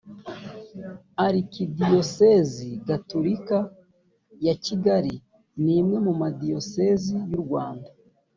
arikidiyosezi gatolika ya kigali ni imwe mu madiyosezi y’u rwanda